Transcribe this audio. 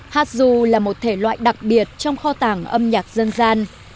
hát dù là một thể loại đặc biệt trong kho tàng âm nhạc dân gian